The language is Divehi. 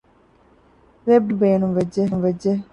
ވެބް ޑިޒައިނަރުން ބޭނުންވެއްޖެ